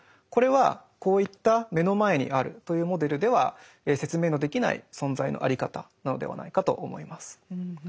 これはこういった目の前にあるというモデルでは説明のできない存在のあり方なのではないかと思います。